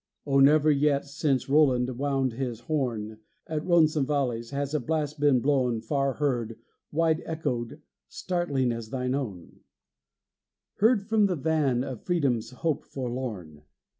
Oh, never yet since Roland wound his horn At Roncesvalles, has a blast been blown Far heard, wide echoed, startling as thine own, Heard from the van of freedom's hope forlorn!